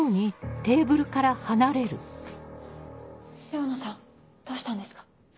レオナさんどうしたんですか？